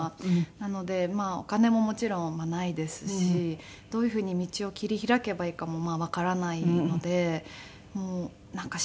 なのでお金ももちろんないですしどういうふうに道を切り開けばいいかもわからないのでなんか試行錯誤。